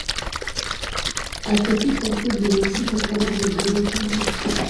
عطفي ترکیب د یو شي په طرف ګرځېدو ته وایي.